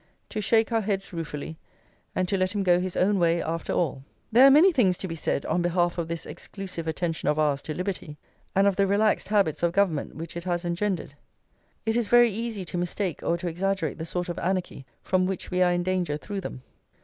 to shake our heads ruefully, and to let him go his own way after all. There are many things to be said on behalf of this exclusive attention of ours to liberty, and of the relaxed habits of government which it has engendered. It is very easy to mistake or to exaggerate the sort of anarchy from which we are in danger through them.